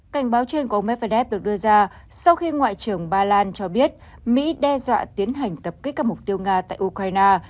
cảnh báo trên của ông medvedev được đưa ra sau khi ngoại trưởng ba lan cho biết mỹ đe dọa tiến hành tập kích các mục tiêu nga tại ukraine